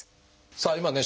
さあ今ね